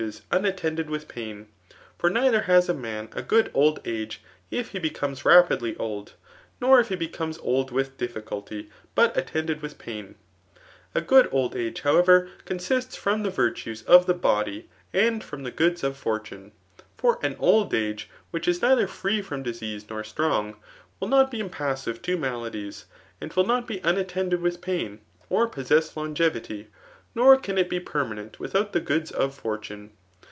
^ miattended with pain. For neither has a man a good^ old age, if he becomes rapidly old ; nor if he becomeif old with difficulty, but attended with paim A good old age, however^ consists from the virtues of the body and from the goods of fortune* For an M age wiiich is neilher free from disease nor strong, vriA not be impas* sive to maladies, and will not be unattended fUBii pain, or possess bnge v hy ; nor can it be permanent without .Qhe goods of]' fortune.